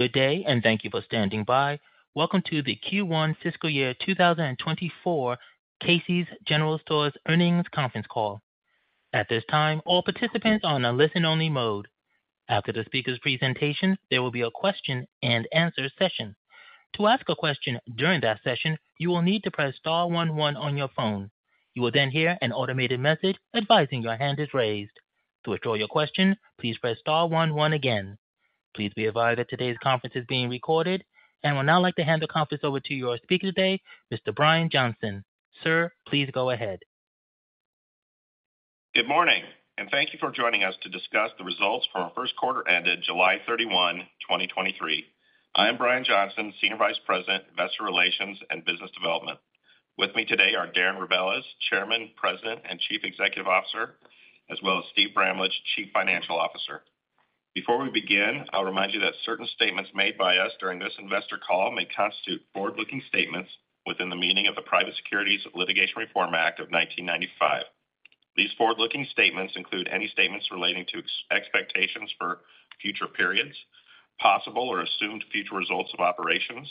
Good day, and thank you for standing by. Welcome to the Q1 fiscal year 2024 Casey's General Stores Earnings Conference Call. At this time, all participants are on a listen-only mode. After the speaker's presentation, there will be a question-and-answer session. To ask a question during that session, you will need to press star one one on your phone. You will then hear an automated message advising your hand is raised. To withdraw your question, please press star one one again. Please be advised that today's conference is being recorded, and I would now like to hand the conference over to your speaker today, Mr. Brian Johnson. Sir, please go ahead. Good morning, and thank you for joining us to discuss the results for our Q1 ended July 31 2023. I am Brian Johnson, Senior Vice President, Investor Relations and Business Development. With me today are Darren Rebelez, Chairman, President, and Chief Executive Officer, as well as Steve Bramlage, Chief Financial Officer. Before we begin, I'll remind you that certain statements made by us during this investor call may constitute forward-looking statements within the meaning of the Private Securities Litigation Reform Act of 1995. These forward-looking statements include any statements relating to expectations for future periods, possible or assumed future results of operations,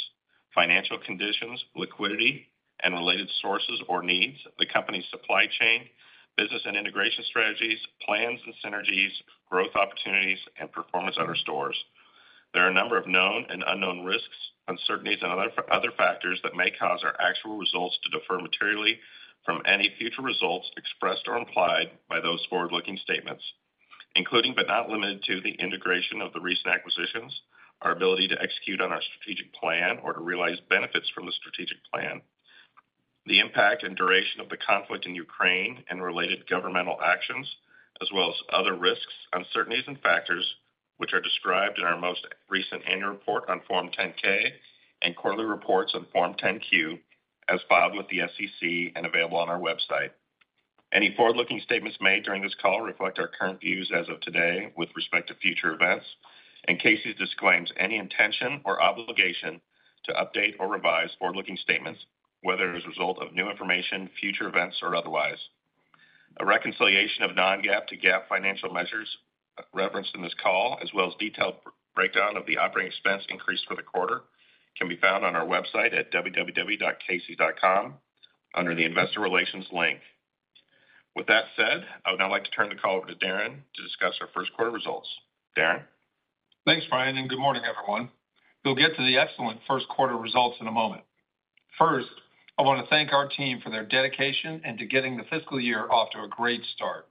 financial conditions, liquidity, and related sources or needs, the company's supply chain, business and integration strategies, plans and synergies, growth opportunities, and performance at our stores. There are a number of known and unknown risks, uncertainties, and other factors that may cause our actual results to differ materially from any future results expressed or implied by those forward-looking statements, including but not limited to, the integration of the recent acquisitions, our ability to execute on our strategic plan or to realize benefits from the strategic plan, the impact and duration of the conflict in Ukraine and related governmental actions, as well as other risks, uncertainties, and factors which are described in our most recent annual report on Form 10-K and quarterly reports on Form 10-Q, as filed with the SEC and available on our website. Any forward-looking statements made during this call reflect our current views as of today with respect to future events, and Casey's disclaims any intention or obligation to update or revise forward-looking statements, whether as a result of new information, future events, or otherwise. A reconciliation of non-GAAP to GAAP financial measures referenced in this call, as well as detailed breakdown of the operating expense increase for the quarter, can be found on our website at www.caseys.com under the Investor Relations link. With that said, I would now like to turn the call over to Darren to discuss our Q1 results. Darren? Thanks, Brian, and good morning, everyone. We'll get to the excellent Q1 results in a moment. First, I want to thank our team for their dedication and to getting the fiscal year off to a great start.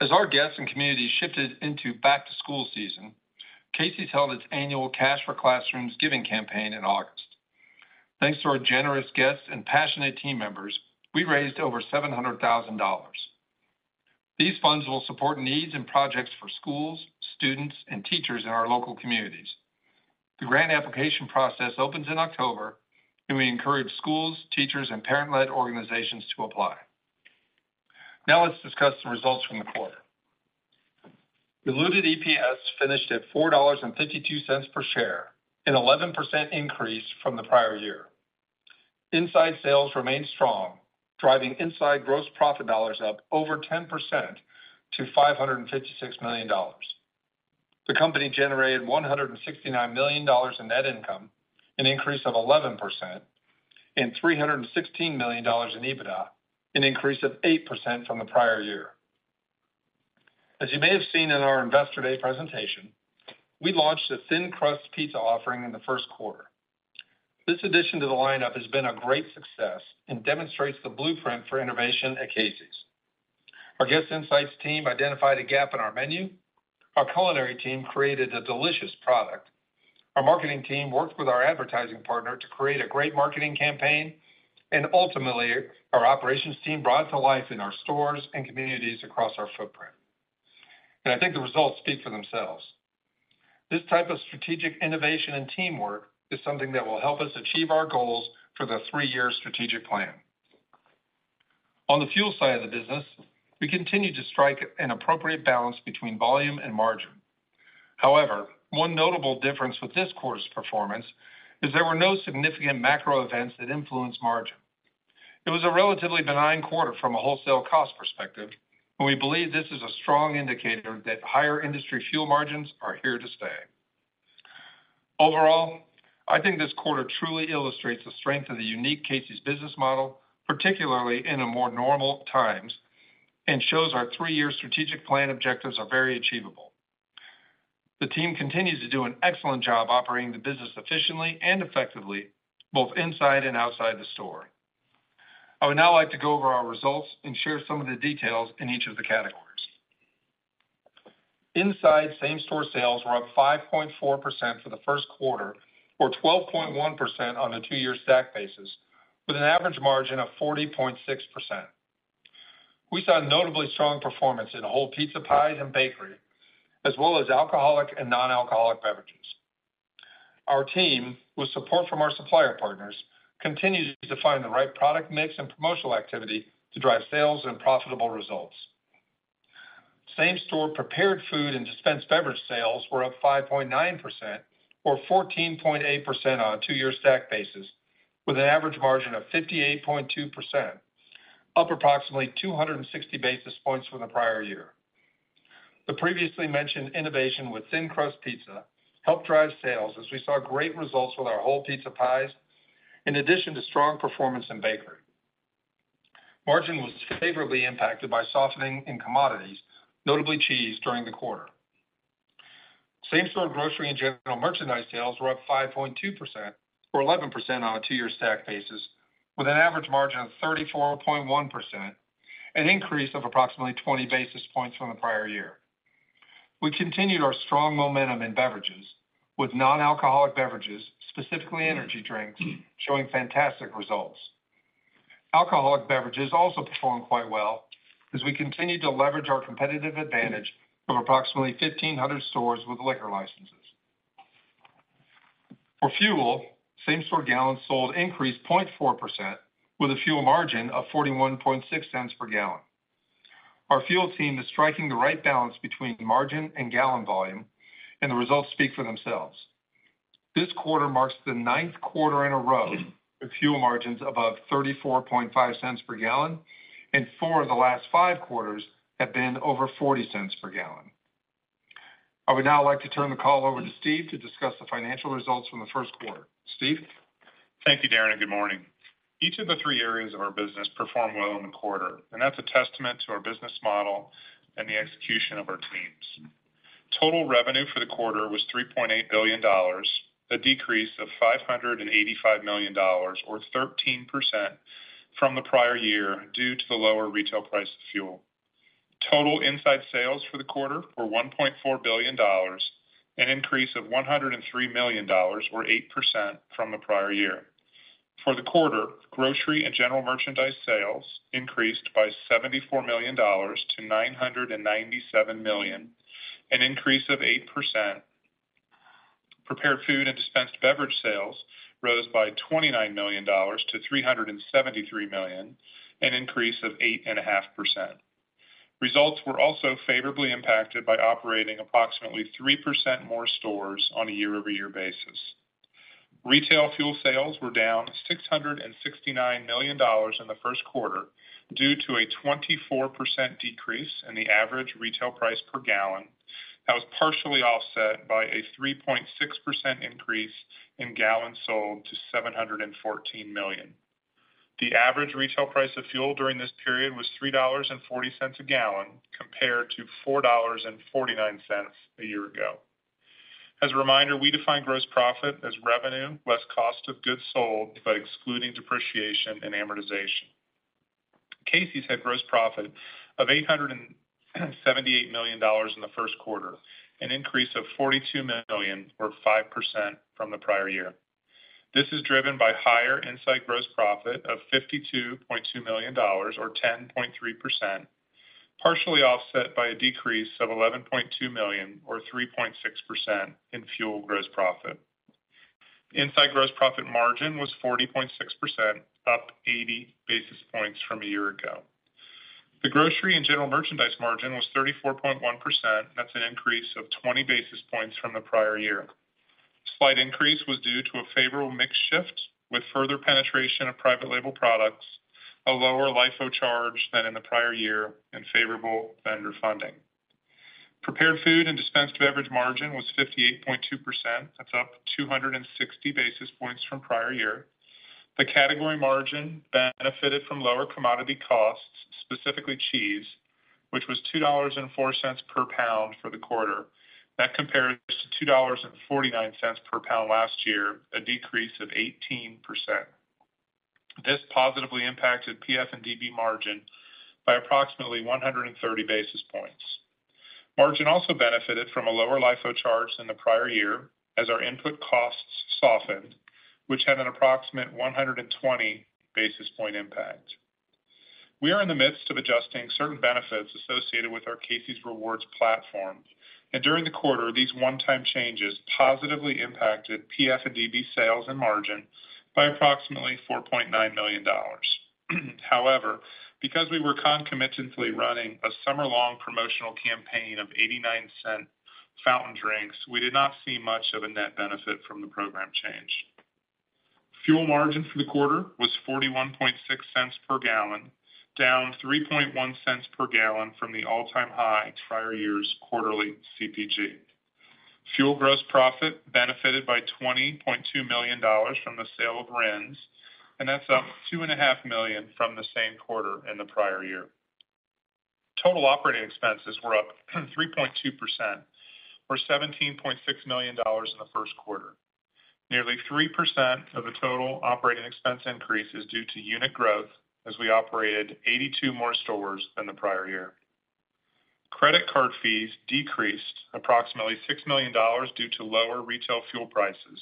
As our guests and communities shifted into back-to-school season, Casey's held its annual Cash for Classrooms giving campaign in August. Thanks to our generous guests and passionate team members, we raised over $700,000. These funds will support needs and projects for schools, students, and teachers in our local communities. The grant application process opens in October, and we encourage schools, teachers, and parent-led organizations to apply. Now, let's discuss the results from the quarter. Diluted EPS finished at $4.52 per share, an 11% increase from the prior year. Inside sales remained strong, driving inside gross profit dollars up over 10% to $556 million. The company generated $169 million in net income, an increase of 11%, and $316 million in EBITDA, an increase of 8% from the prior year. As you may have seen in our Investor Day presentation, we launched a thin crust pizza offering in the Q1. This addition to the lineup has been a great success and demonstrates the blueprint for innovation at Casey's. Our guest insights team identified a gap in our menu. Our culinary team created a delicious product. Our marketing team worked with our advertising partner to create a great marketing campaign, and ultimately, our operations team brought it to life in our stores and communities across our footprint. And I think the results speak for themselves. This type of strategic innovation and teamwork is something that will help us achieve our goals for the three-year strategic plan. On the fuel side of the business, we continue to strike an appropriate balance between volume and margin. However, one notable difference with this quarter's performance is there were no significant macro events that influenced margin. It was a relatively benign quarter from a wholesale cost perspective, and we believe this is a strong indicator that higher industry fuel margins are here to stay. Overall, I think this quarter truly illustrates the strength of the unique Casey's business model, particularly in a more normal times, and shows our three-year strategic plan objectives are very achievable. The team continues to do an excellent job operating the business efficiently and effectively, both inside and outside the store. I would now like to go over our results and share some of the details in each of the categories. Inside same-store sales were up 5.4% for the Q1, or 12.1% on a two-year stack basis, with an average margin of 40.6%. We saw notably strong performance in whole pizza pies and bakery, as well as alcoholic and non-alcoholic beverages. Our team, with support from our supplier partners, continues to find the right product mix and promotional activity to drive sales and profitable results. Same-store prepared food and dispensed beverage sales were up 5.9% or 14.8% on a two-year stack basis, with an average margin of 58.2%, up approximately 260 basis points from the prior year. The previously mentioned innovation with thin-crust pizza helped drive sales, as we saw great results with our whole pizza pies, in addition to strong performance in bakery. Margin was favorably impacted by softening in commodities, notably cheese, during the quarter. Same-store grocery and general merchandise sales were up 5.2%, or 11% on a two-year stack basis, with an average margin of 34.1%, an increase of approximately 20 basis points from the prior year. We continued our strong momentum in beverages, with non-alcoholic beverages, specifically energy drinks, showing fantastic results. Alcoholic beverages also performed quite well, as we continued to leverage our competitive advantage of approximately 1,500 stores with liquor licenses. For fuel, same-store gallons sold increased 0.4%, with a fuel margin of $0,416 per gallon. Our fuel team is striking the right balance between margin and gallon volume, and the results speak for themselves. This quarter marks the ninth quarter in a row with fuel margins above $0,345 per gallon, and four of the last five quarters have been over $0,40 per gallon. I would now like to turn the call over to Steve to discuss the financial results from the Q1. Steve? Thank you, Darren, and good morning. Each of the three areas of our business performed well in the quarter, and that's a testament to our business model and the execution of our teams. Total revenue for the quarter was $3.8 billion, a decrease of $585 million or 13% from the prior year due to the lower retail price of fuel. Total inside sales for the quarter were $1.4 billion, an increase of $103 million, or 8% from the prior year. For the quarter, grocery and general merchandise sales increased by $74 million to $997 million, an increase of 8%. Prepared food and dispensed beverage sales rose by $29 million to $373 million, an increase of 8.5%. Results were also favorably impacted by operating approximately 3% more stores on a year-over-year basis. Retail fuel sales were down $669 million in the Q1 due to a 24% decrease in the average retail price per gallon. That was partially offset by a 3.6% increase in gallons sold to 714 million. The average retail price of fuel during this period was $3.40 a gallon, compared to $4.49 a year ago. As a reminder, we define gross profit as revenue less cost of goods sold by excluding depreciation and amortization. Casey's had gross profit of $878 million in the Q1, an increase of $42 million, or 5%, from the prior year. This is driven by higher inside gross profit of $52.2 million, or 10.3%, partially offset by a decrease of $11.2 million, or 3.6%, in fuel gross profit. Inside gross profit margin was 40.6%, up 80 basis points from a year ago. The grocery and general merchandise margin was 34.1%. That's an increase of 20 basis points from the prior year. Slight increase was due to a favorable mix shift with further penetration of private label products, a lower LIFO charge than in the prior year, and favorable vendor funding. Prepared food and dispensed beverage margin was 58.2%. That's up 260 basis points from prior year. The category margin benefited from lower commodity costs, specifically cheese, which was $2.04 per pound for the quarter. That compares to $2.49 per pound last year, a decrease of 18%. This positively impacted PF&DB margin by approximately 130 basis points. Margin also benefited from a lower LIFO charge than the prior year, as our input costs softened, which had an approximate 120 basis point impact. We are in the midst of adjusting certain benefits associated with our Casey's Rewards platform, and during the quarter, these one-time changes positively impacted PF&DB sales and margin by approximately $4.9 million. However, because we were concomitantly running a summer-long promotional campaign of 89-cent fountain drinks, we did not see much of a net benefit from the program change. Fuel margin for the quarter was $0,416 per gallon, down $0,031 per gallon from the all-time high to prior year's quarterly CPG. Fuel gross profit benefited by $20.2 million from the sale of RINs, and that's up $2.5 million from the same quarter in the prior year. Total operating expenses were up 3.2%, or $17.6 million in the Q1. Nearly 3% of the total operating expense increase is due to unit growth, as we operated 82 more stores than the prior year. Credit card fees decreased approximately $6 million due to lower retail fuel prices,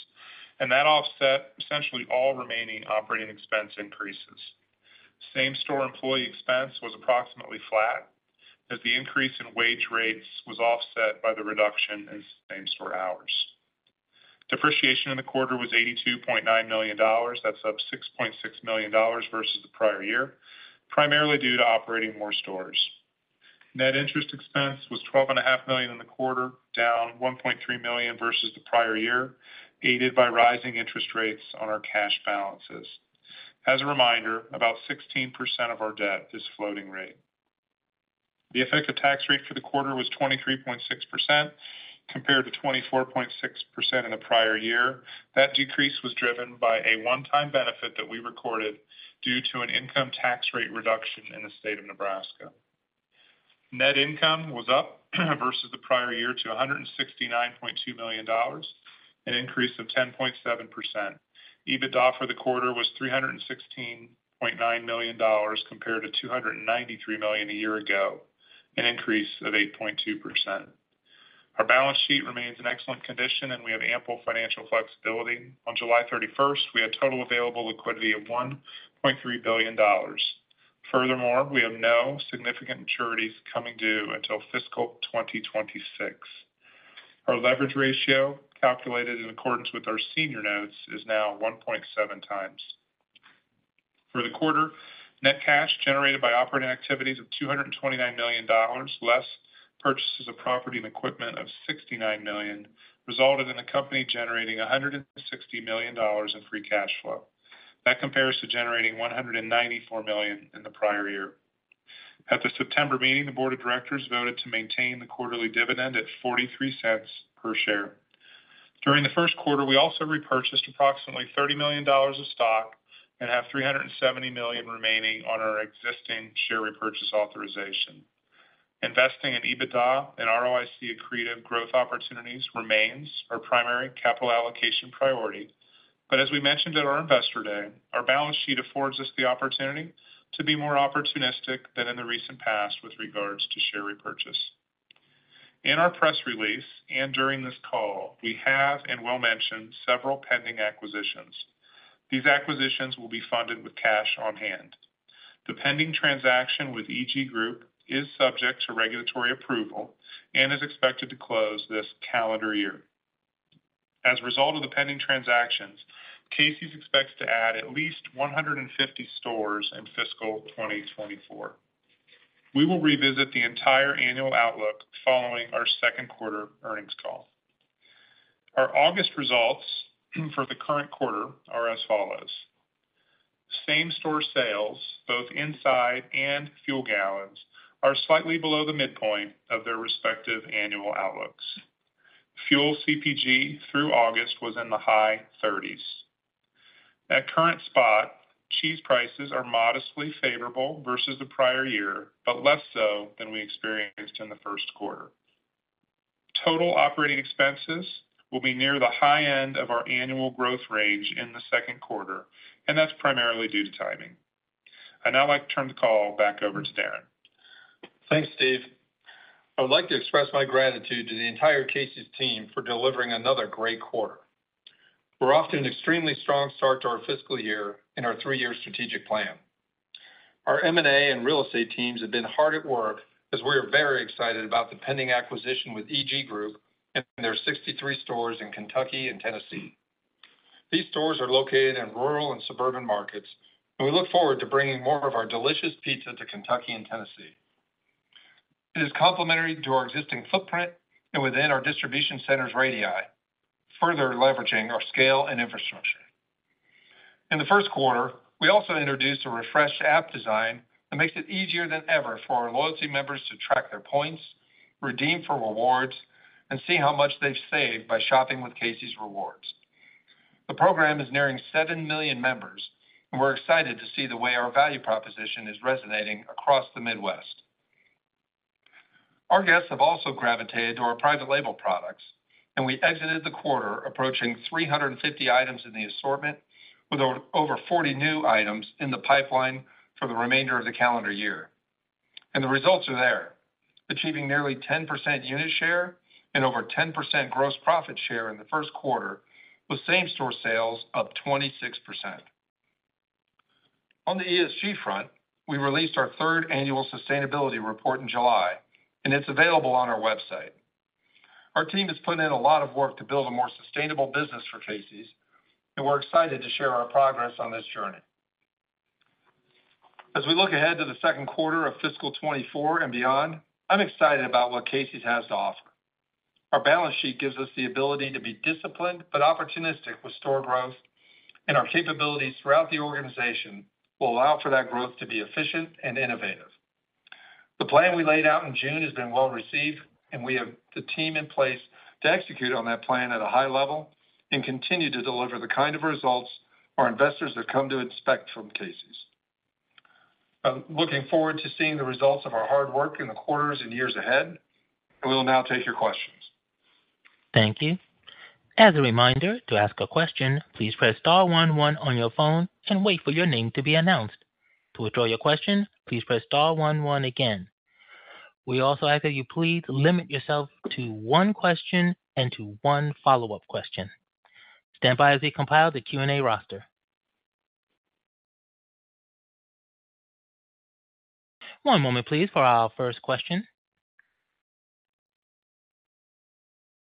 and that offset essentially all remaining operating expense increases. Same-store employee expense was approximately flat, as the increase in wage rates was offset by the reduction in same-store hours. Depreciation in the quarter was $82.9 million. That's up $6.6 million versus the prior year, primarily due to operating more stores. Net interest expense was $12.5 million in the quarter, down $1.3 million versus the prior year, aided by rising interest rates on our cash balances. As a reminder, about 16% of our debt is floating rate. The effective tax rate for the quarter was 23.6%, compared to 24.6% in the prior year. That decrease was driven by a one-time benefit that we recorded due to an income tax rate reduction in the state of Nebraska. Net income was up versus the prior year to $169.2 million, an increase of 10.7%. EBITDA for the quarter was $316.9 million, compared to $293 million a year ago, an increase of 8.2%. Our balance sheet remains in excellent condition, and we have ample financial flexibility. On July 31, we had total available liquidity of $1.3 billion. Furthermore, we have no significant maturities coming due until fiscal 2026. Our leverage ratio, calculated in accordance with our senior notes, is now 1.7x. For the quarter, net cash generated by operating activities of $229 million, less purchases of property and equipment of $69 million, resulted in the company generating $160 million in free cash flow. That compares to generating $194 million in the prior year. At the September meeting, the board of directors voted to maintain the quarterly dividend at $0.43 per share. During the Q1, we also repurchased approximately $30 million of stock and have $370 million remaining on our existing share repurchase authorization. Investing in EBITDA and ROIC accretive growth opportunities remains our primary capital allocation priority. But as we mentioned at our Investor Day, our balance sheet affords us the opportunity to be more opportunistic than in the recent past with regards to share repurchase. In our press release, and during this call, we have and will mention several pending acquisitions. These acquisitions will be funded with cash on hand. The pending transaction with EG Group is subject to regulatory approval and is expected to close this calendar year. As a result of the pending transactions, Casey's expects to add at least 150 stores in fiscal 2024. We will revisit the entire annual outlook following our Q2 earnings call. Our August results for the current quarter are as follows: same-store sales, both inside and fuel gallons, are slightly below the midpoint of their respective annual outlooks. Fuel CPG through August was in the high thirties. At current spot, cheese prices are modestly favorable versus the prior year, but less so than we experienced in the Q1. Total operating expenses will be near the high end of our annual growth range in the second quarter, and that's primarily due to timing. I'd now like to turn the call back over to Darren. Thanks, Steve. I would like to express my gratitude to the entire Casey's team for delivering another great quarter. We're off to an extremely strong start to our fiscal year and our three-year strategic plan. Our M&A and real estate teams have been hard at work, as we are very excited about the pending acquisition with EG Group and their 63 stores in Kentucky and Tennessee. These stores are located in rural and suburban markets, and we look forward to bringing more of our delicious pizza to Kentucky and Tennessee. It is complementary to our existing footprint and within our distribution centers' radii, further leveraging our scale and infrastructure. In the Q1, we also introduced a refreshed app design that makes it easier than ever for our loyalty members to track their points, redeem for rewards, and see how much they've saved by shopping with Casey's Rewards. The program is nearing 7,000,000 members, and we're excited to see the way our value proposition is resonating across the Midwest. Our guests have also gravitated to our private label products, and we exited the quarter approaching 350 items in the assortment, with over 40 new items in the pipeline for the remainder of the calendar year. The results are there, achieving nearly 10% unit share and over 10% gross profit share in the Q1, with same-store sales up 26%. On the ESG front, we released our third annual sustainability report in July, and it's available on our website. Our team has put in a lot of work to build a more sustainable business for Casey's, and we're excited to share our progress on this journey. As we look ahead to the Q2 of fiscal 2024 and beyond, I'm excited about what Casey's has to offer. Our balance sheet gives us the ability to be disciplined but opportunistic with store growth, and our capabilities throughout the organization will allow for that growth to be efficient and innovative. The plan we laid out in June has been well received, and we have the team in place to execute on that plan at a high level and continue to deliver the kind of results our investors have come to expect from Casey's. I'm looking forward to seeing the results of our hard work in the quarters and years ahead, and we'll now take your questions. Thank you. As a reminder, to ask a question, please press star one, one on your phone and wait for your name to be announced. To withdraw your question, please press star one, one again. We also ask that you please limit yourself to one question and to one follow-up question. Stand by as we compile the Q&A roster. One moment, please, for our first question.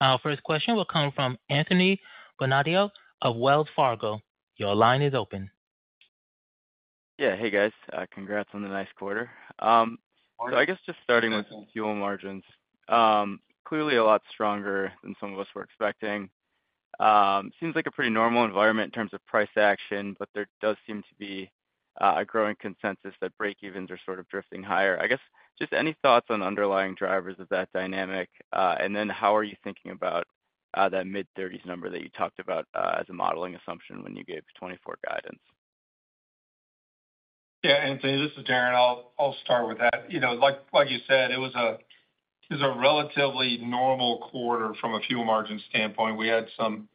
Our first question will come from Anthony Bonadio of Wells Fargo. Your line is open. Yeah. Hey, guys. Congrats on the nice quarter. So I guess just starting with fuel margins, clearly a lot stronger than some of us were expecting. Seems like a pretty normal environment in terms of price action, but there does seem to be a growing consensus that break evens are sort of drifting higher. I guess, just any thoughts on underlying drivers of that dynamic? And then how are you thinking about that mid-thirties number that you talked about as a modeling assumption when you gave 2024 guidance? Yeah, Anthony, this is Darren. I'll, I'll start with that. You know, like, like you said, it was a, it was a relatively normal quarter from a fuel margin standpoint. We had some,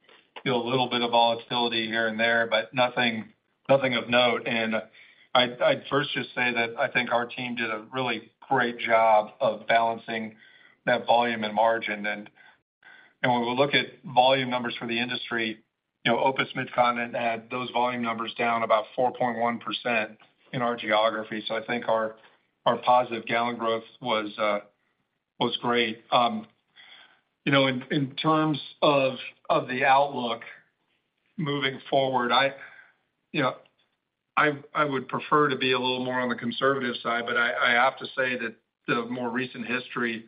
you know, a little bit of volatility here and there, but nothing, nothing of note. And I'd, I'd first just say that I think our team did a really great job of balancing that volume and margin. And, and when we look at volume numbers for the industry, you know, OPIS Midcontinent had those volume numbers down about 4.1% in our geography. So I think our, our positive gallon growth was, was great. You know, in, in terms of, of the outlook moving forward, I, you know, I, I would prefer to be a little more on the conservative side, but I, I have to say that the more recent history,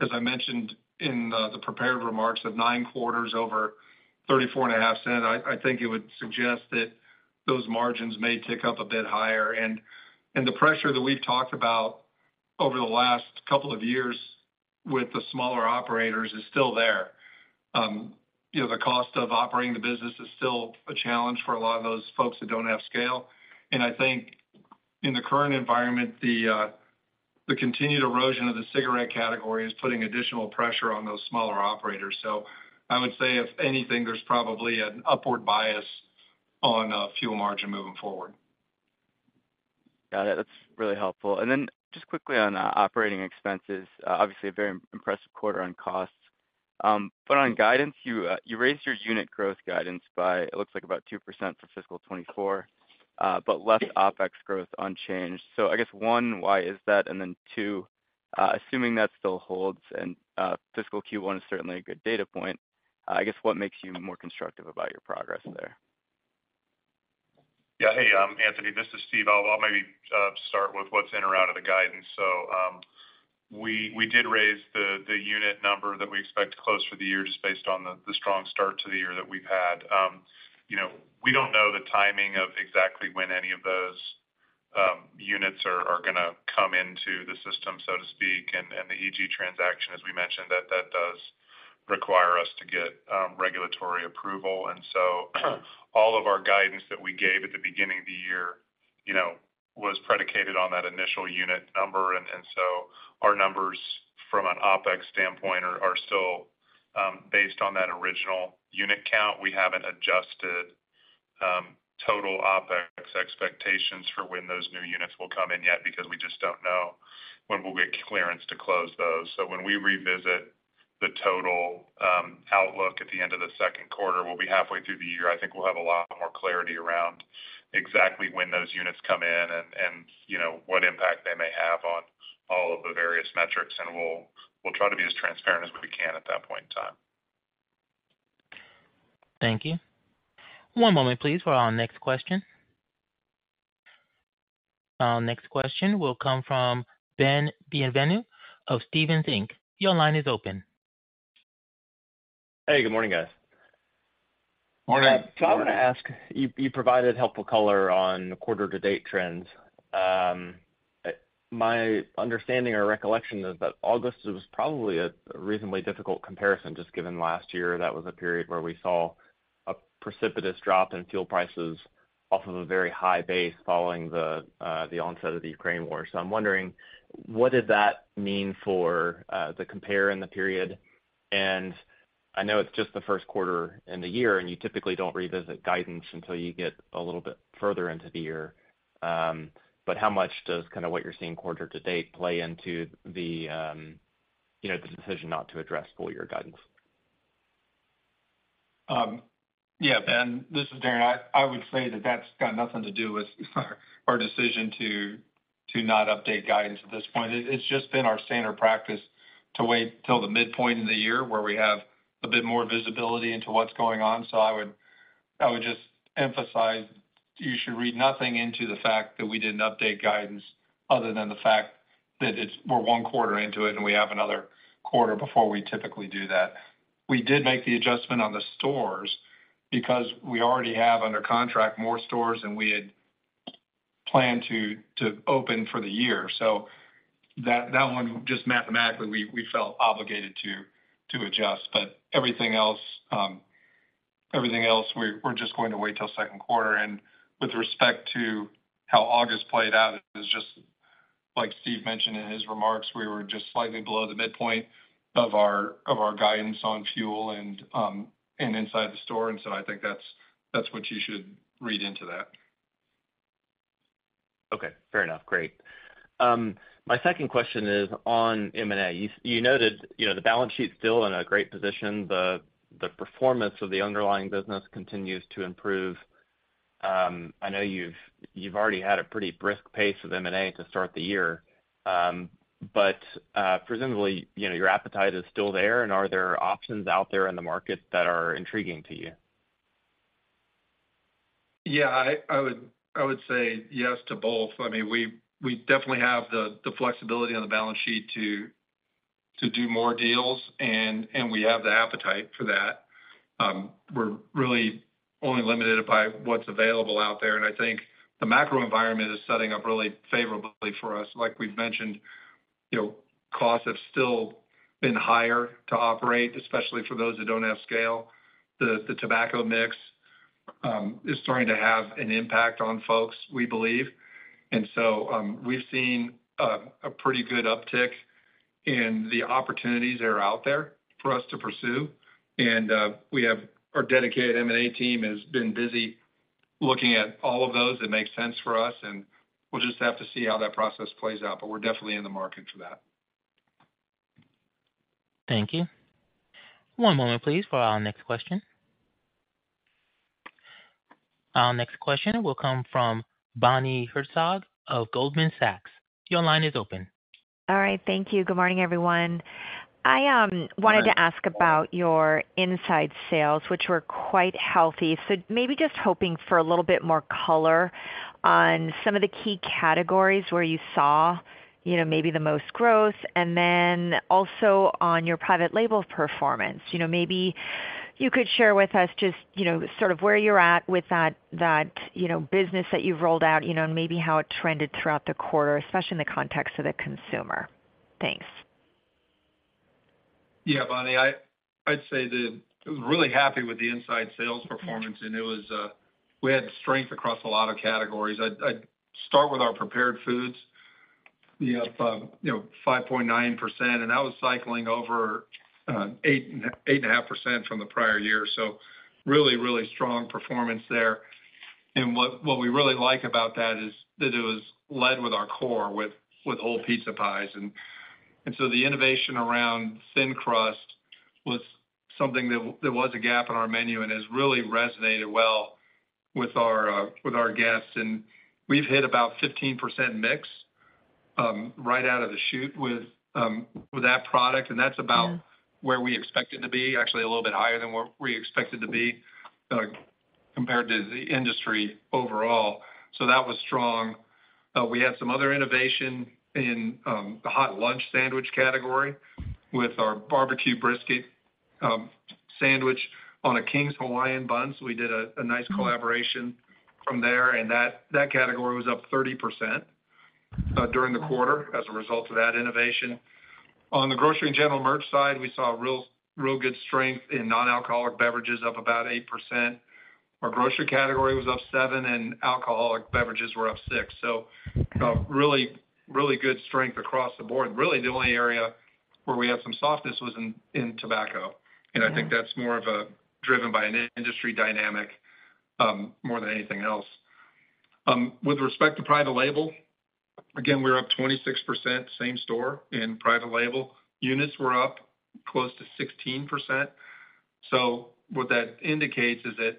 as I mentioned in the prepared remarks, of nine quarters over $0.345, I, I think it would suggest that those margins may tick up a bit higher. And, and the pressure that we've talked about over the last couple of years with the smaller operators is still there. You know, the cost of operating the business is still a challenge for a lot of those folks that don't have scale. And I think in the current environment, the, the continued erosion of the cigarette category is putting additional pressure on those smaller operators. So I would say, if anything, there's probably an upward bias on fuel margin moving forward. Got it. That's really helpful. And then just quickly on operating expenses. Obviously a very impressive quarter on costs. But on guidance, you you raised your unit growth guidance by, it looks like about 2% for fiscal 2024, but left OpEx growth unchanged. So I guess, one, why is that? And then, two, assuming that still holds and fiscal Q1 is certainly a good data point, I guess, what makes you more constructive about your progress there? Yeah. Hey, Anthony, this is Steve. I'll maybe start with what's in or out of the guidance. So, we did raise the unit number that we expect to close for the year, just based on the strong start to the year that we've had. You know, we don't know the timing of exactly when any of those units are gonna come into the system, so to speak. And the EG transaction, as we mentioned, that does require us to get regulatory approval. And so, all of our guidance that we gave at the beginning of the year, you know, was predicated on that initial unit number. And so our numbers from an OpEx standpoint are still based on that original unit count. We haven't adjusted total OpEx expectations for when those new units will come in yet, because we just don't know when we'll get clearance to close those. So when we revisit the total outlook at the end of the Q2, we'll be halfway through the year. I think we'll have a lot more clarity around exactly when those units come in and you know what impact they may have on all of the various metrics. And we'll try to be as transparent as we can at that point in time. Thank you. One moment, please, for our next question. Our next question will come from Ben Bienvenu of Stephens Inc. Your line is open. Hey, good morning, guys. Morning. Morning. So I wanna ask, you, you provided helpful color on the quarter-to-date trends. My understanding or recollection is that August was probably a reasonably difficult comparison, just given last year. That was a period where we saw a precipitous drop in fuel prices off of a very high base following the onset of the Ukraine war. So I'm wondering, what did that mean for the compare in the period? And I know it's just the Q1 in the year, and you typically don't revisit guidance until you get a little bit further into the year, but how much does kind of what you're seeing quarter to date play into the, you know, the decision not to address full year guidance? Yeah, Ben, this is Darren. I would say that that's got nothing to do with our decision to not update guidance at this point. It's just been our standard practice to wait till the midpoint of the year, where we have a bit more visibility into what's going on. So I would just emphasize, you should read nothing into the fact that we didn't update guidance, other than the fact that it's. We're one quarter into it, and we have another quarter before we typically do that. We did make the adjustment on the stores because we already have, under contract, more stores than we had planned to open for the year. So that one, just mathematically, we felt obligated to adjust. But everything else, everything else, we're just going to wait till second quarter. With respect to how August played out, it was just like Steve mentioned in his remarks, we were just slightly below the midpoint of our guidance on fuel and inside the store, and so I think that's what you should read into that. Okay, fair enough. Great. My second question is on M&A. You noted, you know, the balance sheet's still in a great position. The performance of the underlying business continues to improve. I know you've already had a pretty brisk pace of M&A to start the year, but presumably, you know, your appetite is still there, and are there options out there in the market that are intriguing to you? Yeah, I would say yes to both. I mean, we definitely have the flexibility on the balance sheet to do more deals, and we have the appetite for that. We're really only limited by what's available out there, and I think the macro environment is setting up really favorably for us. Like we've mentioned, you know, costs have still been higher to operate, especially for those that don't have scale. The tobacco mix is starting to have an impact on folks, we believe. And so, we've seen a pretty good uptick in the opportunities that are out there for us to pursue. We have our dedicated M&A team has been busy looking at all of those that make sense for us, and we'll just have to see how that process plays out, but we're definitely in the market for that. Thank you. One moment, please, for our next question. Our next question will come from Bonnie Herzog of Goldman Sachs. Your line is open. All right, thank you. Good morning, everyone. I wanted to ask about your inside sales, which were quite healthy. So maybe just hoping for a little bit more color on some of the key categories where you saw, you know, maybe the most growth. And then also on your private label performance, you know, maybe you could share with us just, you know, sort of where you're at with that, you know, business that you've rolled out, you know, and maybe how it trended throughout the quarter, especially in the context of the consumer. Thanks. Yeah, Bonnie, I'd say that I was really happy with the inside sales performance, and it was we had strength across a lot of categories. I'd start with our prepared foods, you know, up 5.9%, and that was cycling over 8%-8.5% from the prior year. So really strong performance there. And what we really like about that is that it was led with our core, with whole pizza pies. And so the innovation around thin crust was something that there was a gap in our menu, and has really resonated well with our guests. And we've hit about 15% mix right out of the chute with that product, and that's about- Yeah. Where we expect it to be, actually a little bit higher than where we expected to be, compared to the industry overall. So that was strong. We had some other innovation in the hot lunch sandwich category with our barbecue brisket sandwich on a King's Hawaiian bun. So we did a nice collaboration from there, and that category was up 30% during the quarter as a result of that innovation. On the grocery and general merch side, we saw real, real good strength in non-alcoholic beverages, up about 8%. Our grocery category was up 7%, and alcoholic beverages were up 6%. So, really, really good strength across the board. Really, the only area where we had some softness was in tobacco, and I think that's more driven by an industry dynamic, more than anything else. With respect to private label, again, we're up 26%, same-store in private label. Units were up close to 16%. So what that indicates is that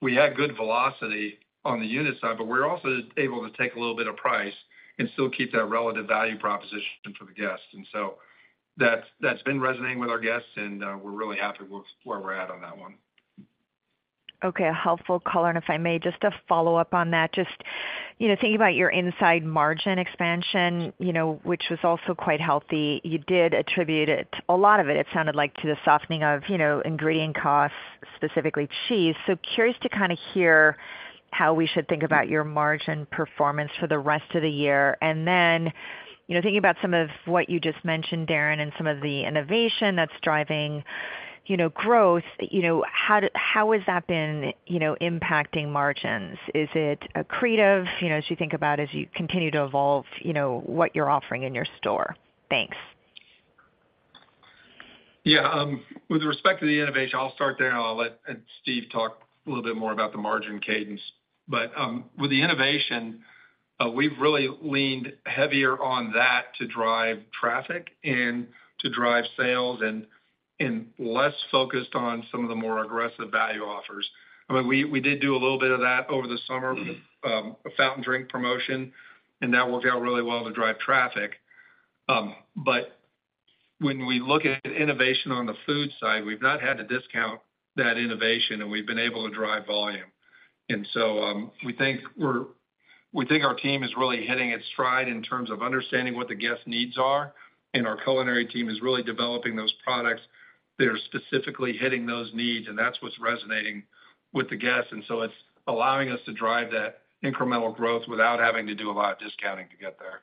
we had good velocity on the unit side, but we're also able to take a little bit of price and still keep that relative value proposition for the guests. And so that's, that's been resonating with our guests, and we're really happy with where we're at on that one. Okay, a helpful color. And if I may, just to follow up on that, just, you know, thinking about your inside margin expansion, you know, which was also quite healthy, you did attribute it, a lot of it, it sounded like, to the softening of, you know, ingredient costs, specifically cheese. So curious to kind of hear how we should think about your margin performance for the rest of the year. And then, you know, thinking about some of what you just mentioned, Darren, and some of the innovation that's driving, you know, growth, you know, how has that been, you know, impacting margins? Is it accretive, you know, as you think about as you continue to evolve, you know, what you're offering in your store? Thanks. Yeah, with respect to the innovation, I'll start there, and I'll let Steve talk a little bit more about the margin cadence. But, with the innovation, we've really leaned heavier on that to drive traffic and to drive sales and, and less focused on some of the more aggressive value offers. I mean, we, we did do a little bit of that over the summer, a fountain drink promotion, and that worked out really well to drive traffic. But when we look at innovation on the food side, we've not had to discount that innovation, and we've been able to drive volume. We think our team is really hitting its stride in terms of understanding what the guest needs are, and our culinary team is really developing those products that are specifically hitting those needs, and that's what's resonating with the guests. And so it's allowing us to drive that incremental growth without having to do a lot of discounting to get there.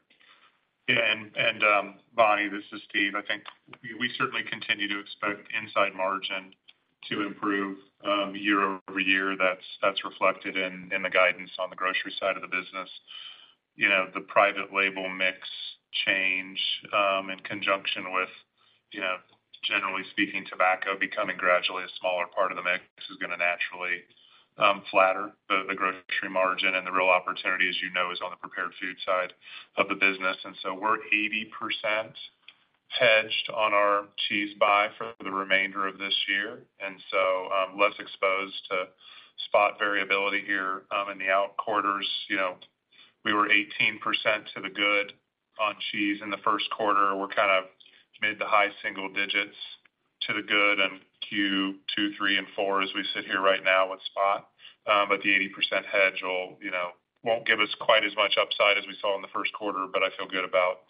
Yeah, and Bonnie, this is Steve. I think we certainly continue to expect inside margin to improve year over year. That's reflected in the guidance on the grocery side of the business. You know, the private label mix change in conjunction with, you know, generally speaking, tobacco becoming gradually a smaller part of the mix is gonna naturally flatter the grocery margin. And the real opportunity, as you know, is on the prepared food side of the business. And so we're 80% hedged on our cheese buy for the remainder of this year, and so less exposed to spot variability here in the out quarters. You know, we were 18% to the good on cheese in the Q1. We're kind of mid- to high single digits to the good in Q2, Q3, and Q4 as we sit here right now with spot. But the 80% hedge will, you know, won't give us quite as much upside as we saw in the Q1, but I feel good about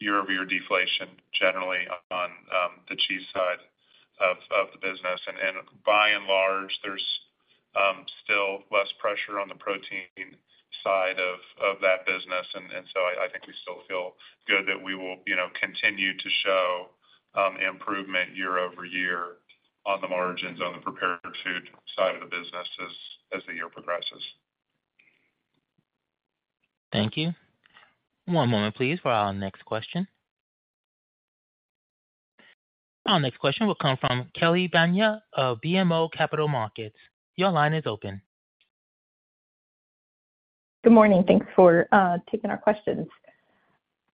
year-over-year deflation generally on the cheese side of the business. And by and large, there's still less pressure on the protein side of that business. And so I think we still feel good that we will, you know, continue to show improvement year over year on the margins, on the prepared food side of the business as the year progresses. Thank you. One moment, please, for our next question. Our next question will come from Kelly Bania of BMO Capital Markets. Your line is open. Good morning. Thanks for taking our questions.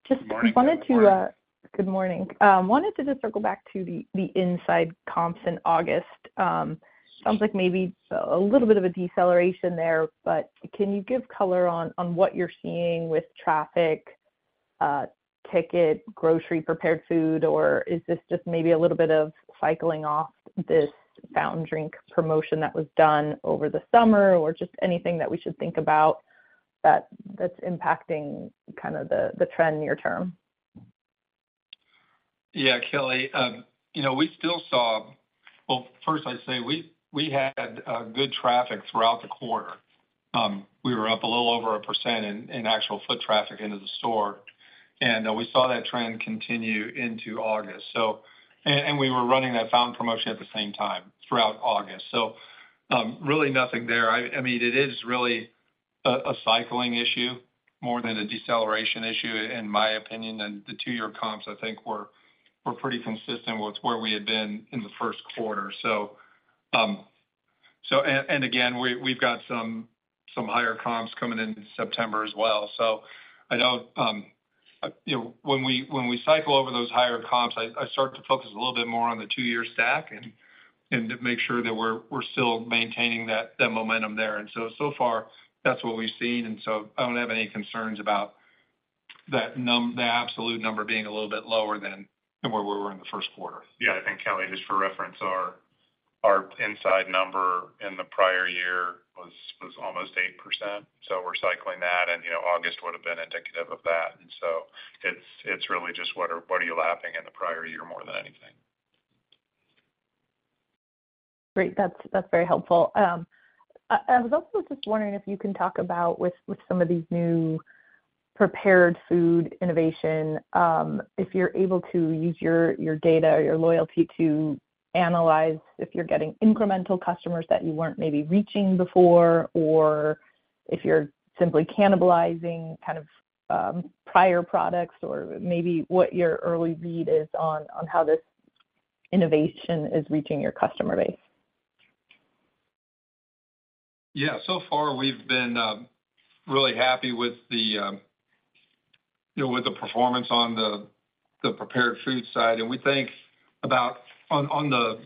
Good morning. Good morning. Wanted to just circle back to the inside comps in August. Sounds like maybe a little bit of a deceleration there, but can you give color on what you're seeing with traffic, ticket, grocery, prepared food? Or is this just maybe a little bit of cycling off this fountain drink promotion that was done over the summer, or just anything that we should think about that's impacting kind of the trend near term? Yeah, Kelly, you know, we still saw... Well, first, I'd say we had good traffic throughout the quarter. We were up a little over 1% in actual foot traffic into the store, and we saw that trend continue into August, so. And we were running that fountain promotion at the same time throughout August. So, really nothing there. I mean, it is really a cycling issue more than a deceleration issue, in my opinion. And the two-year comps, I think, were pretty consistent with where we had been in the Q1. So, and again, we've got some higher comps coming in September as well. I don't, you know, when we cycle over those higher comps, I start to focus a little bit more on the two-year stack and to make sure that we're still maintaining that momentum there. And so far, that's what we've seen, and so I don't have any concerns about that number being a little bit lower than where we were in the Q1. Yeah, I think, Kelly, just for reference, our inside number in the prior year was almost 8%, so we're cycling that, and, you know, August would have been indicative of that. And so it's really just what are you lapping in the prior year more than anything. Great. That's, that's very helpful. I was also just wondering if you can talk about with some of these new prepared food innovation, if you're able to use your data or your loyalty to analyze if you're getting incremental customers that you weren't maybe reaching before, or if you're simply cannibalizing kind of prior products, or maybe what your early read is on how this innovation is reaching your customer base? Yeah, so far, we've been really happy with the, you know, with the performance on the prepared food side. And we think about on the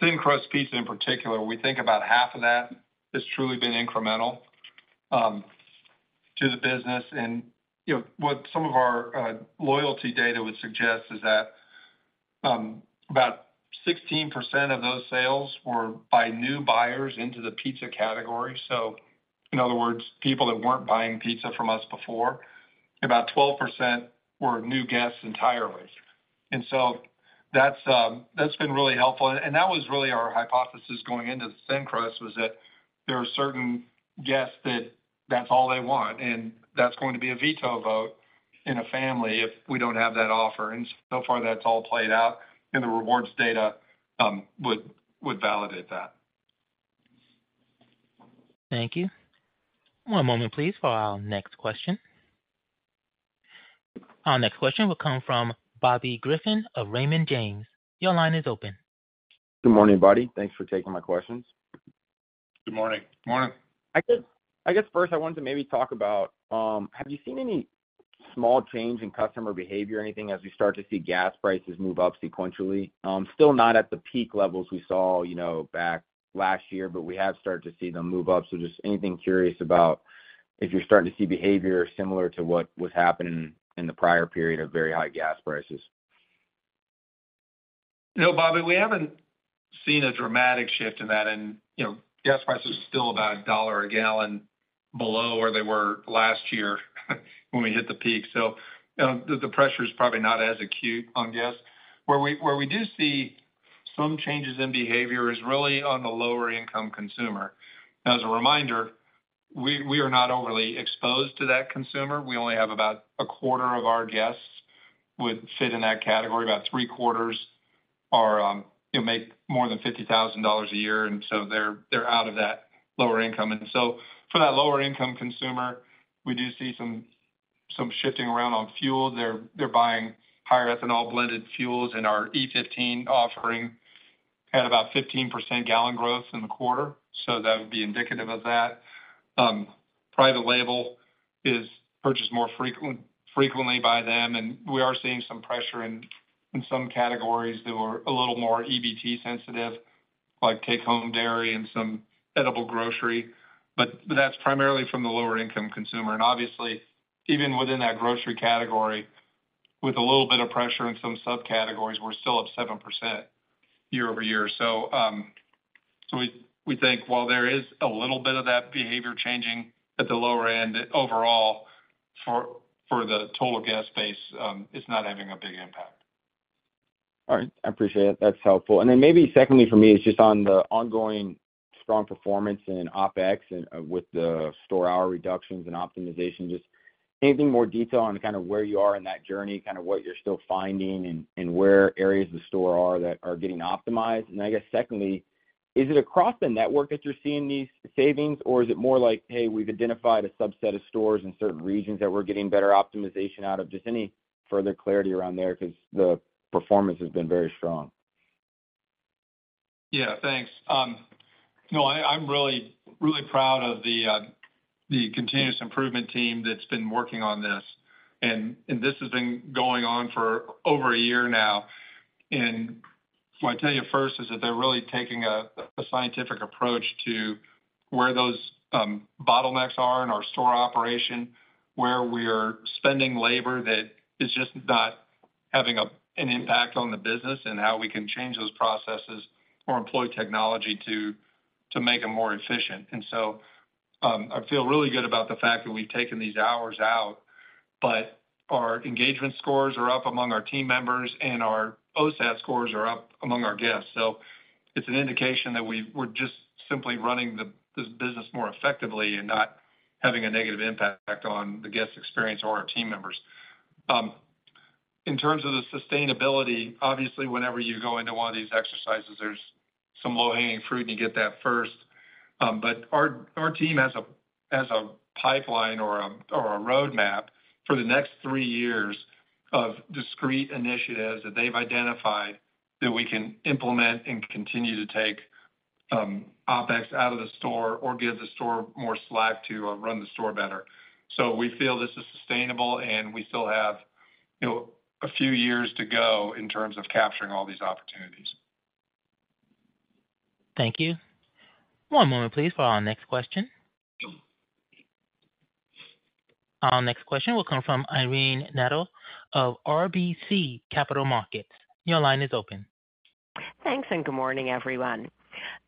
thin crust pizza in particular, we think about half of that has truly been incremental to the business. And, you know, what some of our loyalty data would suggest is that about 16% of those sales were by new buyers into the pizza category. So in other words, people that weren't buying pizza from us before, about 12% were new guests entirely. And so that's been really helpful. And that was really our hypothesis going into the thin crust, was that there are certain guests that that's all they want, and that's going to be a veto vote in a family if we don't have that offer. So far, that's all played out, and the rewards data would validate that. Thank you. One moment, please, for our next question. Our next question will come from Bobby Griffin of Raymond James. Your line is open. Good morning, Bobby. Thanks for taking my questions. Good morning. Morning. I guess first I wanted to maybe talk about, have you seen any small change in customer behavior or anything as we start to see gas prices move up sequentially? Still not at the peak levels we saw, you know, back last year, but we have started to see them move up. So just anything curious about if you're starting to see behavior similar to what was happening in the prior period of very high gas prices. No, Bobby, we haven't seen a dramatic shift in that. And, you know, gas prices are still about $1 a gallon below where they were last year when we hit the peak. So, the pressure is probably not as acute on gas. Where we do see some changes in behavior is really on the lower income consumer. As a reminder, we are not overly exposed to that consumer. We only have about a quarter of our guests would fit in that category. About three quarters are, you know, make more than $50,000 a year, and so they're out of that lower income. And so for that lower income consumer, we do see some shifting around on fuel. They're buying higher ethanol blended fuels in our E15 offering. had about 15% gallon growth in the quarter, so that would be indicative of that. Private label is purchased more frequent, frequently by them, and we are seeing some pressure in some categories that were a little more EBT sensitive, like take-home dairy and some edible grocery, but that's primarily from the lower-income consumer. And obviously, even within that grocery category, with a little bit of pressure in some subcategories, we're still up 7% year-over-year. So, so we think while there is a little bit of that behavior changing at the lower end, overall, for the total gas base, it's not having a big impact. All right, I appreciate it. That's helpful. And then maybe secondly, for me, it's just on the ongoing strong performance in OpEx and with the store hour reductions and optimization, just anything more detail on kind of where you are in that journey, kind of what you're still finding and, and where areas of the store are that are getting optimized? And I guess secondly, is it across the network that you're seeing these savings, or is it more like, hey, we've identified a subset of stores in certain regions that we're getting better optimization out of? Just any further clarity around there, 'cause the performance has been very strong? Yeah, thanks. No, I'm really, really proud of the continuous improvement team that's been working on this, and this has been going on for over a year now. What I tell you first is that they're really taking a scientific approach to where those bottlenecks are in our store operation, where we are spending labor that is just not having an impact on the business, and how we can change those processes or employ technology to make them more efficient. So, I feel really good about the fact that we've taken these hours out, but our engagement scores are up among our team members, and our OSAT scores are up among our guests. It's an indication that we're just simply running this business more effectively and not having a negative impact on the guest experience or our team members. In terms of the sustainability, obviously, whenever you go into one of these exercises, there's some low-hanging fruit, and you get that first. But our team has a pipeline or a roadmap for the next three years of discrete initiatives that they've identified that we can implement and continue to take OpEx out of the store or give the store more slack to run the store better. So we feel this is sustainable, and we still have, you know, a few years to go in terms of capturing all these opportunities. Thank you. One moment, please, for our next question. Our next question will come from Irene Nattel of RBC Capital Markets. Your line is open. Thanks, and good morning, everyone.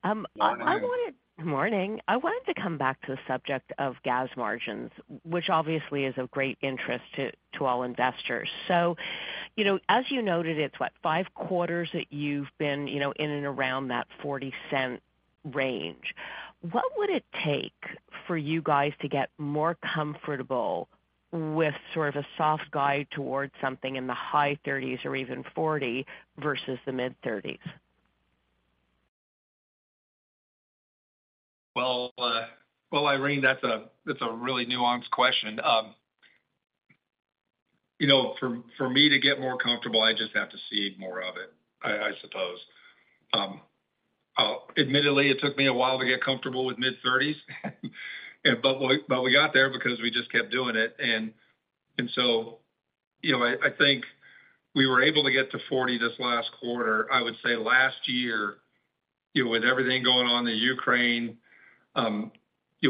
Good morning. Good morning. I wanted to come back to the subject of gas margins, which obviously is of great interest to all investors. So, you know, as you noted, it's what, five quarters that you've been, you know, in and around that $0.40 range. What would it take for you guys to get more comfortable with sort of a soft guide towards something in the high 30s or even 40 versus the mid-30s? Well, well, Irene, that's a really nuanced question. You know, for me to get more comfortable, I just have to see more of it, I suppose. Admittedly, it took me a while to get comfortable with mid-30s, but we got there because we just kept doing it. And so, you know, I think we were able to get to 40 this last quarter. I would say last year, you know, with everything going on in the Ukraine, you know,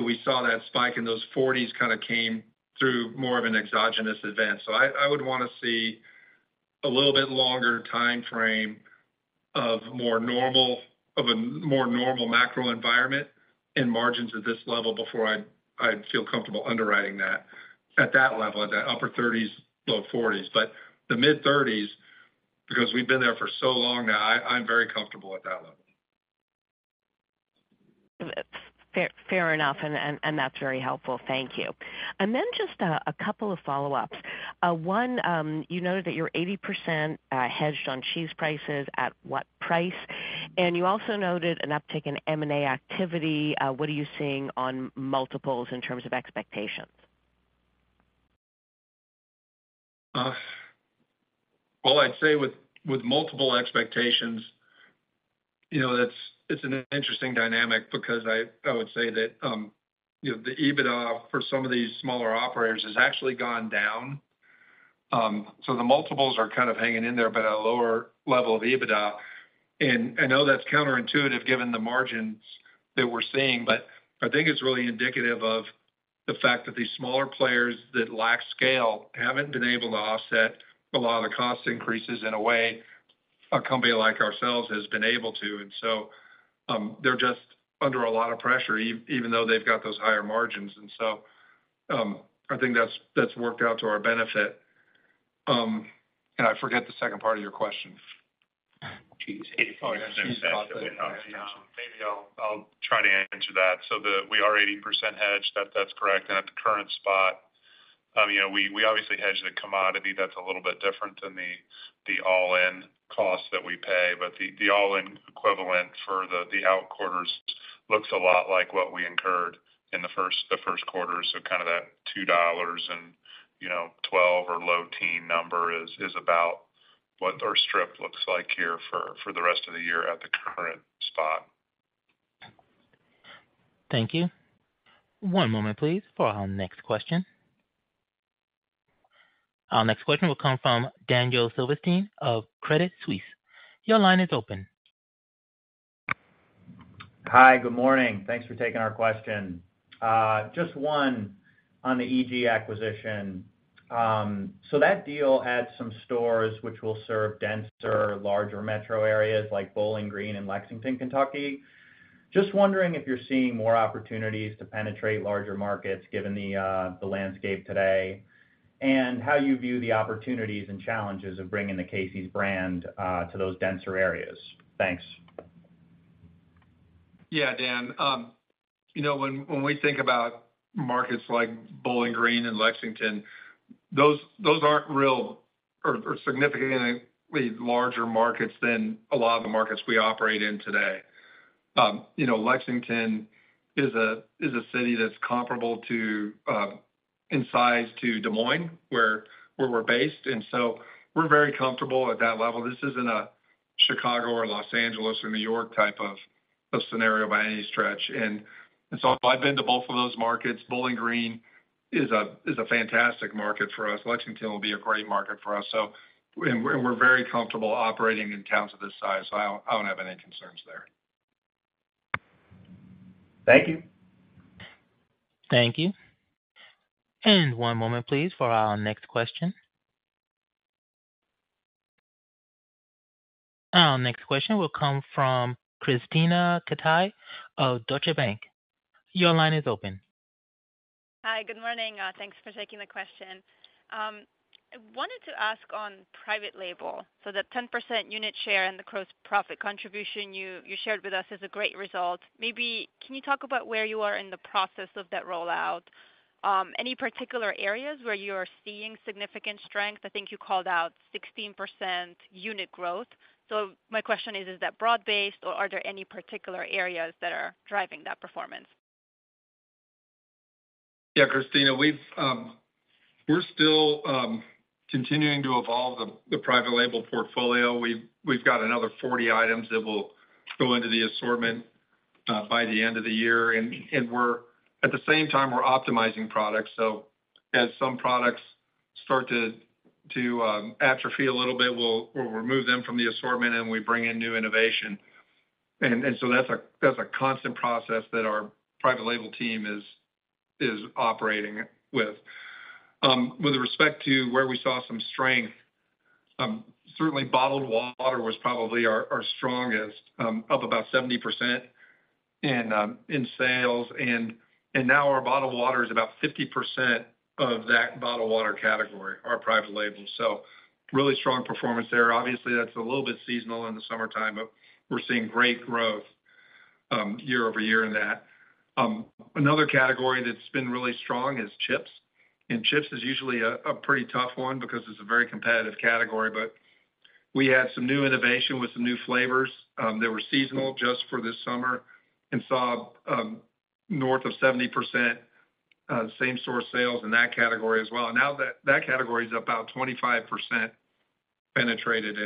we saw that spike in those 40s kind of came through more of an exogenous event. So I would wanna see a little bit longer time frame of more normal of a more normal macro environment and margins at this level before I'd feel comfortable underwriting that, at that level, at that upper 30s, low 40s. But the mid-30s, because we've been there for so long now, I'm very comfortable at that level. Fair, fair enough, and that's very helpful. Thank you. And then just a couple of follow-ups. One, you noted that you're 80% hedged on cheese prices, at what price? And you also noted an uptick in M&A activity. What are you seeing on multiples in terms of expectations? Well, I'd say with multiple expectations, you know, that's—it's an interesting dynamic because I would say that, you know, the EBITDA for some of these smaller operators has actually gone down. So the multiples are kind of hanging in there, but at a lower level of EBITDA. And I know that's counterintuitive, given the margins that we're seeing, but I think it's really indicative of the fact that these smaller players that lack scale haven't been able to offset a lot of the cost increases in a way a company like ourselves has been able to. And so, they're just under a lot of pressure, even though they've got those higher margins. And so, I think that's worked out to our benefit. And I forget the second part of your question. Maybe I'll try to answer that. So the—we are 80% hedged, that's correct, and at the current spot. You know, we obviously hedge the commodity that's a little bit different than the all-in cost that we pay, but the all-in equivalent for the out quarters,... looks a lot like what we incurred in the Q1. So kind of that $2 and, you know, 12 or low teen number is about what our strip looks like here for the rest of the year at the current spot. Thank you. One moment, please, for our next question. Our next question will come from Daniel Silverstein of Credit Suisse. Your line is open. Hi, good morning. Thanks for taking our question. Just one on the EG acquisition. So that deal adds some stores which will serve denser, larger metro areas like Bowling Green and Lexington, Kentucky. Just wondering if you're seeing more opportunities to penetrate larger markets given the landscape today, and how you view the opportunities and challenges of bringing the Casey's brand to those denser areas? Thanks. Yeah, Dan. You know, when we think about markets like Bowling Green and Lexington, those aren't really or significantly larger markets than a lot of the markets we operate in today. You know, Lexington is a city that's comparable, in size, to Des Moines, where we're based, and so we're very comfortable at that level. This isn't a Chicago or Los Angeles or New York type of scenario by any stretch. And so I've been to both of those markets. Bowling Green is a fantastic market for us. Lexington will be a great market for us. So we're very comfortable operating in towns of this size, so I don't have any concerns there. Thank you. Thank you. One moment, please, for our next question. Our next question will come from Krisztina Katai of Deutsche Bank. Your line is open. Hi, good morning. Thanks for taking the question. I wanted to ask on private label, so the 10% unit share and the gross profit contribution you, you shared with us is a great result. Maybe can you talk about where you are in the process of that rollout? Any particular areas where you are seeing significant strength? I think you called out 16% unit growth. So my question is, is that broad-based, or are there any particular areas that are driving that performance? Yeah, Kristina, we've, we're still continuing to evolve the private label portfolio. We've got another 40 items that will go into the assortment by the end of the year, and we're at the same time optimizing products. So as some products start to atrophy a little bit, we'll remove them from the assortment, and we bring in new innovation. And so that's a constant process that our private label team is operating with. With respect to where we saw some strength, certainly bottled water was probably our strongest, up about 70% in sales. And now our bottled water is about 50% of that bottled water category, our private label. So really strong performance there. Obviously, that's a little bit seasonal in the summertime, but we're seeing great growth year-over-year in that. Another category that's been really strong is chips, and chips is usually a pretty tough one because it's a very competitive category. But we had some new innovation with some new flavors that were seasonal just for this summer and saw north of 70% same-store sales in that category as well. Now that category is about 25% penetrated,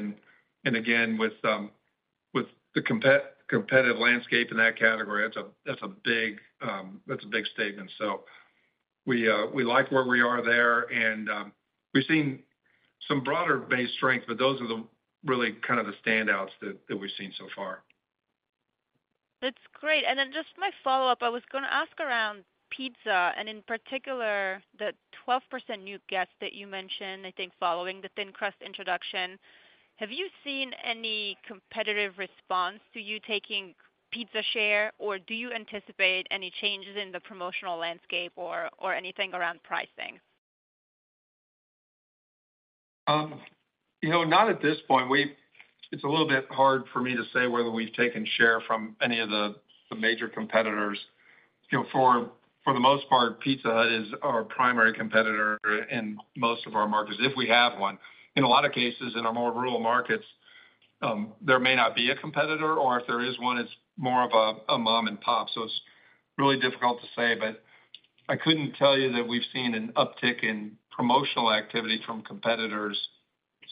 and again, with the competitive landscape in that category, that's a big statement. So we like where we are there, and we've seen some broader-based strength, but those are the really kind of the standouts that we've seen so far. That's great. And then just my follow-up, I was going to ask around pizza and in particular, the 12% new guests that you mentioned, I think, following the thin crust introduction. Have you seen any competitive response to you taking pizza share, or do you anticipate any changes in the promotional landscape or, or anything around pricing? You know, not at this point. We, it's a little bit hard for me to say whether we've taken share from any of the major competitors. You know, for the most part, Pizza Hut is our primary competitor in most of our markets, if we have one. In a lot of cases, in our more rural markets, there may not be a competitor, or if there is one, it's more of a mom and pop. So it's really difficult to say, but I couldn't tell you that we've seen an uptick in promotional activity from competitors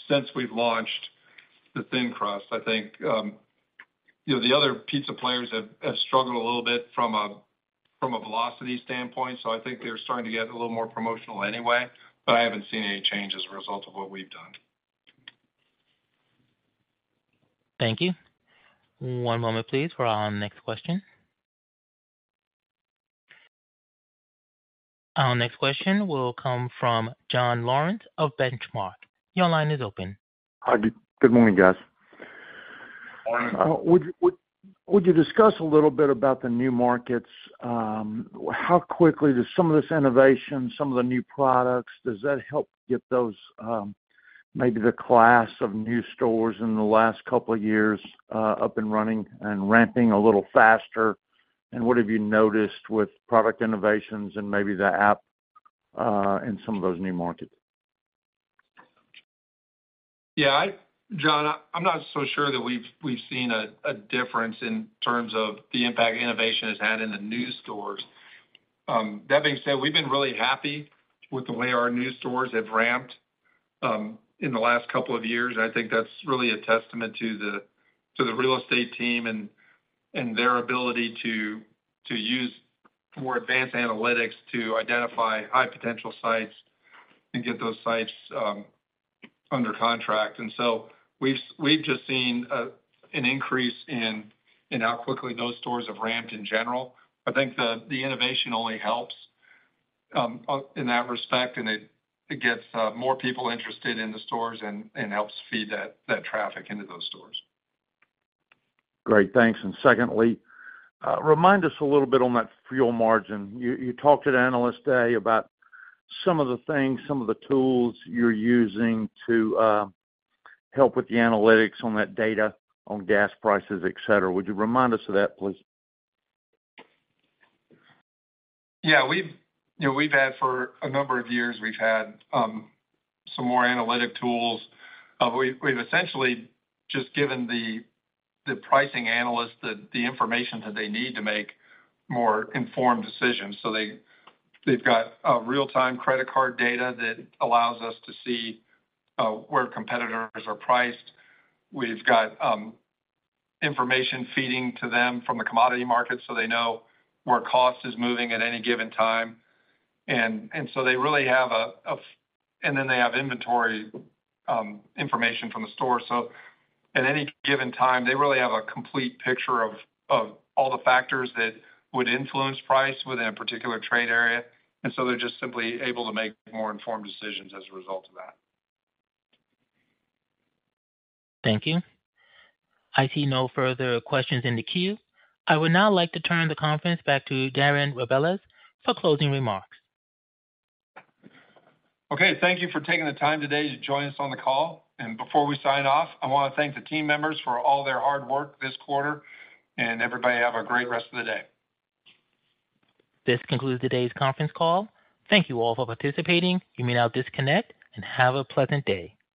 since we've launched the thin crust. I think, you know, the other pizza players have struggled a little bit from a velocity standpoint, so I think they're starting to get a little more promotional anyway, but I haven't seen any change as a result of what we've done. Thank you. One moment, please, for our next question. Our next question will come from John Lawrence of Benchmark. Your line is open. Hi, good morning, guys. Morning. Would you discuss a little bit about the new markets? How quickly does some of this innovation, some of the new products, does that help get those, maybe the class of new stores in the last couple of years, up and running and ramping a little faster? And what have you noticed with product innovations and maybe the app, in some of those new markets? Yeah, I, John, I'm not so sure that we've seen a difference in terms of the impact innovation has had in the new stores. That being said, we've been really happy with the way our new stores have ramped in the last couple of years. I think that's really a testament to the real estate team and their ability to use more advanced analytics to identify high-potential sites and get those sites under contract. And so we've just seen an increase in how quickly those stores have ramped in general. I think the innovation only helps in that respect, and it gets more people interested in the stores and helps feed that traffic into those stores. Great, thanks. Secondly, remind us a little bit on that fuel margin. You talked at Analyst Day about some of the things, some of the tools you're using to help with the analytics on that data on gas prices, et cetera. Would you remind us of that, please? Yeah, we've, you know, we've had for a number of years, we've had some more analytical tools. We've essentially just given the pricing analysts the information that they need to make more informed decisions. So they, they've got real-time credit card data that allows us to see where competitors are priced. We've got information feeding to them from the commodity market, so they know where cost is moving at any given time. And so they really have a—and then they have inventory information from the store. So at any given time, they really have a complete picture of all the factors that would influence price within a particular trade area, and so they're just simply able to make more informed decisions as a result of that. Thank you. I see no further questions in the queue. I would now like to turn the conference back to Darren Rebelez for closing remarks. Okay, thank you for taking the time today to join us on the call. Before we sign off, I wanna thank the team members for all their hard work this quarter. Everybody, have a great rest of the day. This concludes today's conference call. Thank you all for participating. You may now disconnect and have a pleasant day.